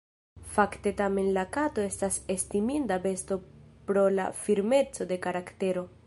Fakte tamen la kato estas estiminda besto pro la firmeco de karaktero.